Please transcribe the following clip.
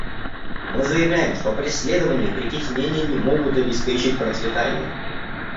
Мы заявляем, что преследование и притеснение не могут обеспечить процветание.